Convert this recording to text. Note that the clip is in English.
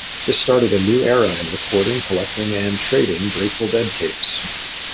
This started a new era in recording, collecting, and trading Grateful Dead tapes.